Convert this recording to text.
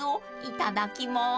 いただきます。